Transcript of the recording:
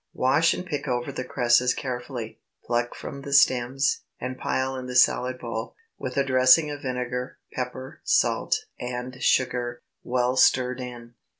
Wash and pick over the cresses carefully, pluck from the stems, and pile in the salad bowl, with a dressing of vinegar, pepper, salt, and sugar, well stirred in.